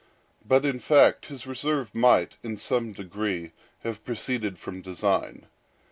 But, in fact, his reserve might, in some degree, have proceeded from design.